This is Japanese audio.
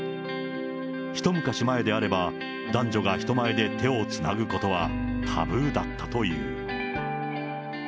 ひと昔前であれば、男女が人前で手をつなぐことはタブーだったという。